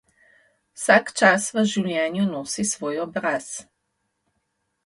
Vsak čas v življenju nosi svoj obraz.